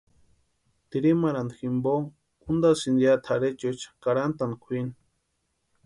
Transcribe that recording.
Tirimarhantu jimpo úntasïnti ya tʼarhechuecha karhantani kwʼini.